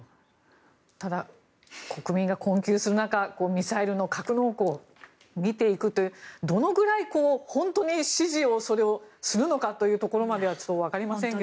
ただ、国民が困窮する中ミサイルの格納庫を見ているというどのくらい本当に支持をするのかというところまではちょっとわかりませんが。